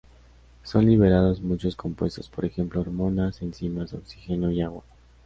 Son liberados muchos compuestos, por ejemplo, hormonas, enzimas, oxígeno y agua.